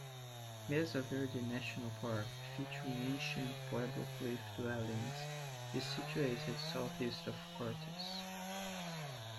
Mesa Verde National Park, featuring Ancient Pueblo cliff dwellings, is situated southeast of Cortez.